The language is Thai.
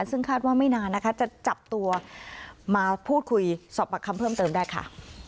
ซึ่งคาดว่าไม่นานนะคะจะจับตัวมาพูดคุยสอบปากคำเพิ่มเติมได้ค่ะ